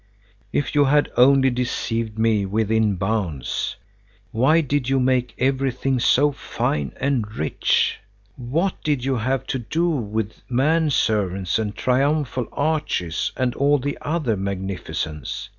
"If you had only deceived me within bounds! Why did you make everything so fine and rich? What did you have to do with man servants and triumphal arches and all the other magnificence?